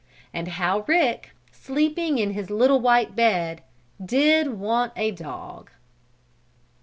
And how Rick, sleeping in his little white bed, did want a dog!